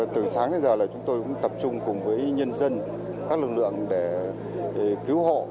từ sáng đến giờ là chúng tôi cũng tập trung cùng với nhân dân các lực lượng để cứu hộ